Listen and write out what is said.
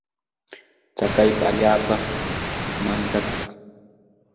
tsakaypa allaapami mantsakuu.